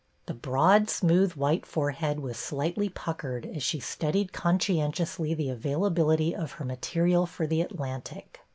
The broad, smooth white forehead was slightly puckered as she studied conscientiously the availability of her material for The Atlantic.